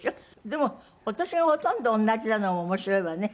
でもお年がほとんど同じなのも面白いわね。